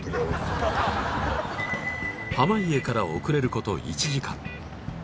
濱家から遅れること１時間